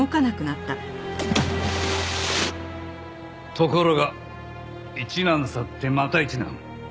ところが一難去ってまた一難。